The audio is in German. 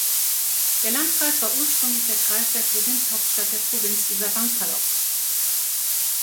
Der Landkreis war ursprünglich der Kreis der Provinzhauptstadt der Provinz Sawankhalok.